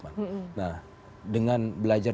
nah dengan belajar